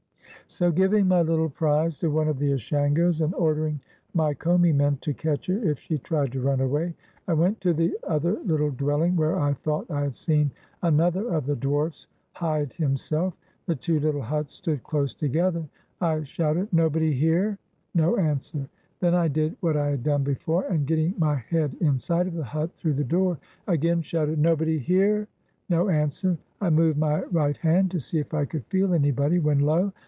So, giving my little prize to one of the Ashangos, and [ordering my Commi men to catch her if she tried to run away, I went to the other little dwelling where I thought I had seen another of the dwarfs hide himself. The two [little huts stood close together. I shouted, "Nobody lere?" No answer. Then I did what I had done before, land, getting my head inside of the hut through the door, [again shouted, "Nobody here?" No answer. I moved rmy right hand to see if I could feel anybody, when, lo !